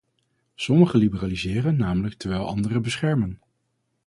Sommigen liberaliseren namelijk terwijl anderen beschermen.